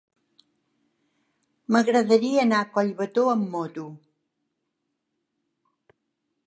M'agradaria anar a Collbató amb moto.